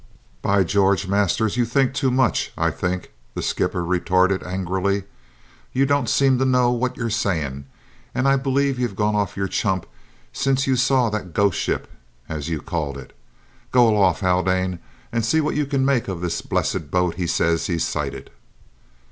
"By George, Masters, you think too much, I think!" the skipper retorted angrily. "You don't seem to know what you're saying, and I believe you've gone off your chump since you saw that `ghost ship,' as you called it! Go aloft, Haldane, and see what you can make of this blessed boat he says he sighted!"